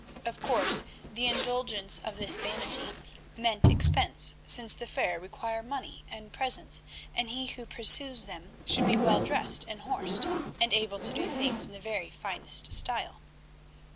Of course, the indulgence of this vanity meant expense, since the fair require money and presents, and he who pursues them should be well dressed and horsed and able to do things in the very finest style.